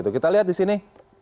kita lihat disini